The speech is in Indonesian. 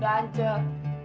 eh bunda ancer